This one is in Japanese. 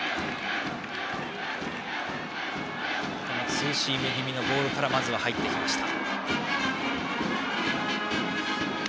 ツーシーム気味のボールからまず入ってきました。